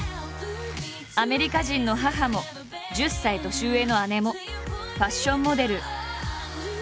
アメリカ人の母も１０歳年上の姉もファッションモデル。